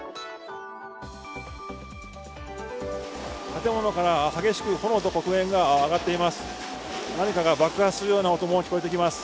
建物から激しく炎と黒煙が上がっています。